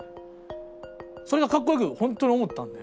それがかっこよく本当に思ったんで。